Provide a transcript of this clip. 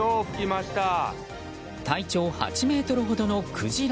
体長８ｍほどのクジラ。